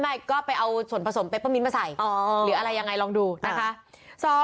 ไม่ก็ไปเอาส่วนผสมเปเปอร์มิ้นมาใส่หรืออะไรยังไงลองดูนะคะ